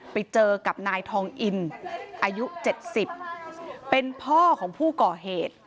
ไปเจอกับนายทองอินอายุ๗๐เป็นพ่อของผู้ก่อเหตุ